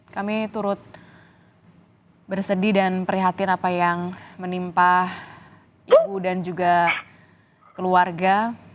kami turut bersedih dan prihatin apa yang menimpa ibu dan juga keluarga